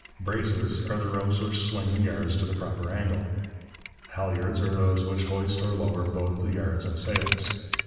Braces are the ropes which swing the yards to the proper angle. Halliards are those which hoist or lower both the yards and sails.